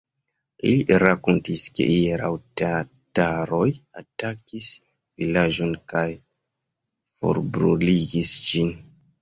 Li rakontis, ke hieraŭ tataroj atakis vilaĝon kaj forbruligis ĝin.